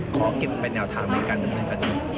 ขอเก็บเป็นแนวถามในการดูสัญญา